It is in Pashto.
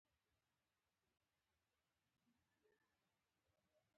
زردالو وچول کېږي.